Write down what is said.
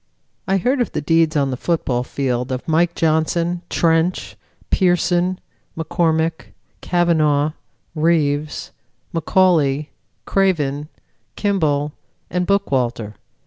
I heard of the deeds on the football field of Mike Johnson, Trench, Pearson, McCormack, Cavanaugh, Reeves, McCauley, Craven, Kimball and Bookwalter.